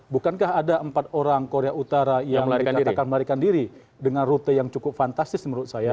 bukankah ada empat orang korea utara yang dikatakan melarikan diri dengan rute yang cukup fantastis menurut saya